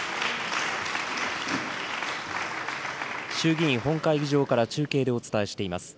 衆議院本会議場から中継でお伝えしています。